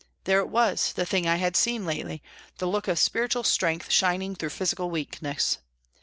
There it was, the thing I had seen lately, the look of spiritual strength shining through physical weakness.